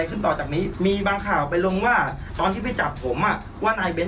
สนุนโดยสายการบินไทยนครปวดท้องเสียขับลมแน่นท้อง